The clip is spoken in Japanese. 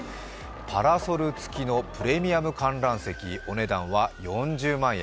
パラソル付きのプレミアム観覧席、お値段は４０万円。